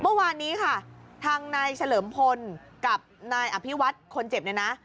เมื่อวานนี้ค่ะทางนายเฉลิมพลกับนายอภิวัฒน์คนเจ็บเนี่ยนะ